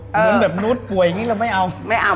เหมือนแบบนูดป่วยอย่างนี้เราไม่เอา